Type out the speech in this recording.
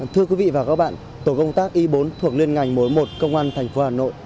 thưa quý vị và các bạn tổ công tác y bốn thuộc liên ngành mối một công an thành phố hà nội